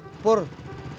pur pur pur pur pur